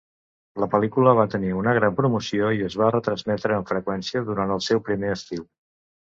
La pel·lícula va tenir una gran promoció i es va retransmetre amb freqüència durant el seu primer estiu.